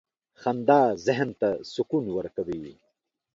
• خندا ذهن ته سکون ورکوي.